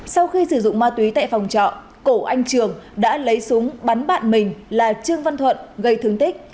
sau khi sử dụng ma túy tại phòng trọ cổ anh trường đã lấy súng bắn bạn mình là trương văn thuận gây thương tích